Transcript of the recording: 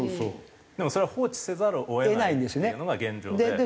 でもそれは放置せざるを得ないっていうのが現状で。